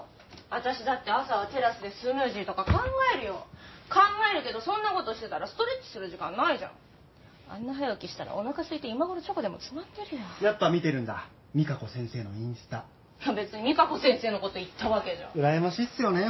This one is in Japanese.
私だって朝はテラスでスムージーとか考えるよ考えるけどそんなことしてたらストレッチする時間ないじゃんあんな早起きしたらおなかすいて今頃チョコでもつまんでるよやっぱ見てるんだＭＩＫＡＫＯ先生のインスタ別にＭＩＫＡＫＯ先生のこと言ったわけじゃうらやましいっすよね